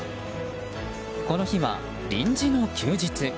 この日は臨時の休日。